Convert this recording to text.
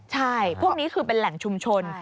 ใช่พวกนี้คือเป็นแหล่งชุมชน